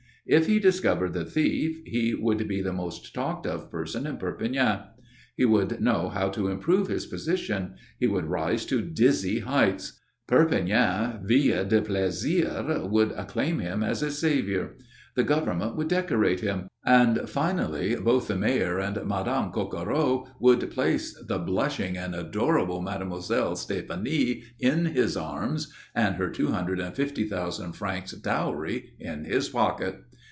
If he discovered the thief, he would be the most talked of person in Perpignan. He would know how to improve his position. He would rise to dizzy heights. Perpignan Ville de Plaisir would acclaim him as its saviour. The Government would decorate him. And finally, both the Mayor and Madame Coquereau would place the blushing and adorable Mademoiselle Stéphanie in his arms and her two hundred and fifty thousand francs dowry in his pocket.